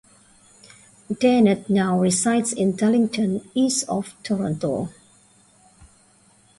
Daynard now resides in Darlington, east of Toronto.